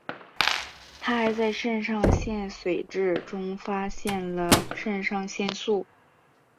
他还在肾上腺髓质中发现了肾上腺素。